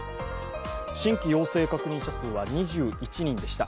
新規陽性確認者数は２１人でした。